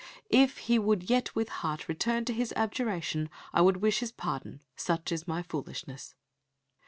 "If he would yet with heart return to his abjuration, I would wish his pardon, such is my foolishness."